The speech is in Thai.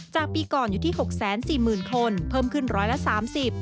จากปีก่อนอยู่ที่๖๔๐๐๐๐คนเพิ่มขึ้น๑๓๐๐๐๐คน